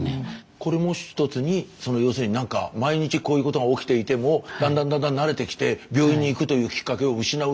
これも一つに要するに毎日こういうことが起きていてもだんだん慣れてきて病院に行くというきっかけを失う一つの。